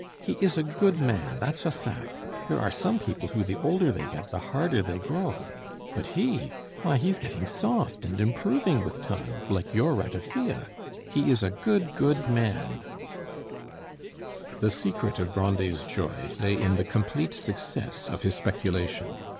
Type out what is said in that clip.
He is a good man, that's a fact. There are some people who the older they get the harder they grow; but he, why he's getting soft and improving with time, like your ratafia! He is a good, good man " The secret of Grandet's joy lay in the complete success of his speculation.